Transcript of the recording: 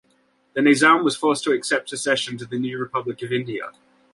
The Nizam was forced to accept accession to the new Republic of India.